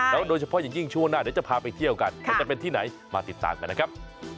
โดยเฉพาะอย่างยิ่งช่วงหน้าเดี๋ยวจะพาไปเที่ยวกันมันจะเป็นที่ไหนมาติดตามกันนะครับ